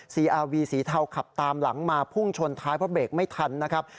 อาวีสีเทาขับตามหลังมาพุ่งชนท้ายเพราะเบรกไม่ทันนะครับ